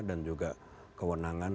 dan juga kewenangan